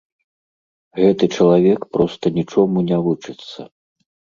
Гэты чалавек проста нічому не вучыцца!